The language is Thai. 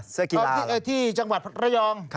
เสื้อกีฬาเหรอครับครับที่จังหวัดระยอง